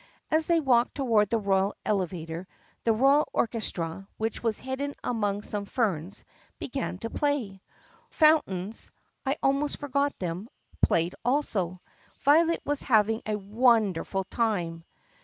As they walked toward the royal elevator the royal orchestra, which was hidden among some ferns, began to play. Foun tains — I almost forgot them — played also. Violet was having a wonderful time.